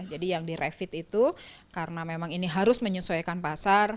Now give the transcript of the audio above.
jadi yang direvit itu karena memang ini harus menyesuaikan pasar